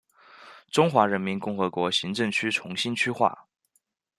中华人民共和国行政区重新区划。